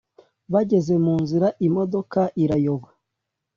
Bageze mu nzira imodoka irayoba